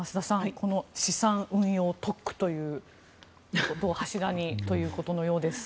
この資産運用特区ということを柱にということのようです。